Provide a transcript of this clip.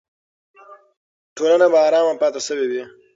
ټولنه به ارامه پاتې شوې وي.